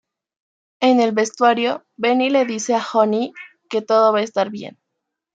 En el vestuario, Benny le dice a Honey que todo va a estar bien.